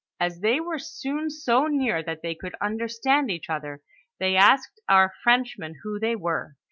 As they were soon so near that they could understand each other, they asked our French men, who they were.